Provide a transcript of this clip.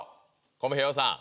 コメ兵さん